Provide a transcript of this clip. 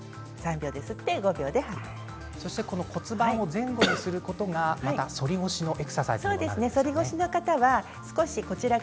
骨盤を前後させることで反り腰のエクササイズにもなるんですね。